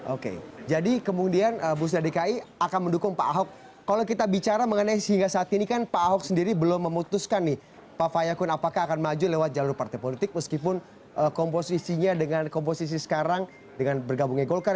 oke jadi kemudian musda dki akan mendukung pak ahok kalau kita bicara mengenai sehingga saat ini kan pak ahok sendiri belum memutuskan nih pak fayakun apakah akan maju lewat jalur partai politik meskipun komposisinya dengan komposisi sekarang dengan bergabungnya golkar